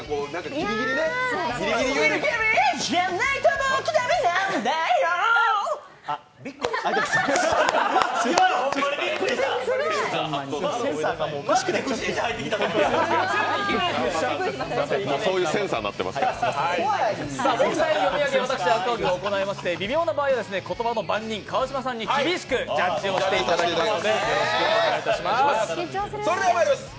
ギリギリじゃないと僕ダメなんだよあっ問題の読み上げは私、赤荻が行いまして微妙な場合には言葉の番人・川島さんに厳しくチェックしていただきます。